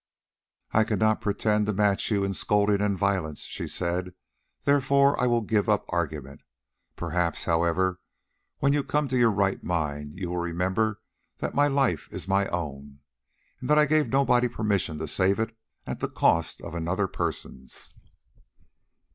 "I cannot pretend to match you in scolding and violence," she said, "therefore I will give up argument. Perhaps, however, when you come to your right mind, you will remember that my life is my own, and that I gave nobody permission to save it at the cost of another person's."